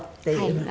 はい。